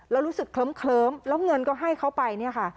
แล้วรู้สึกเคลิ้มแล้วเงินก็ให้เขาไปเนี่ยค่ะ